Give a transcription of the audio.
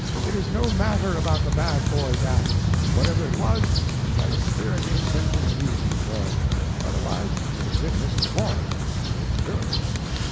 It is no matter about the bad boy's act. Whatever it was, he had a spirit contenting reason for it. Otherwise you have been misinformed, and he didn't do it.